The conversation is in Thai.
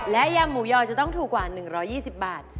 และยำหมูยอจะต้องถูกกว่า๑๒๐บาท